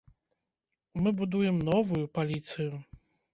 Мы будуем новую паліцыю.